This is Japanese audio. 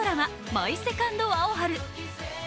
「マイ・セカンド・アオハル」